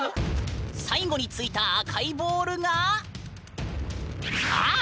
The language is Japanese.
最後に突いた赤いボールがあっ！